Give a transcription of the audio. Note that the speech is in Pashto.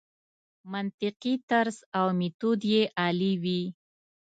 منطقي طرز او میتود یې عالي وي.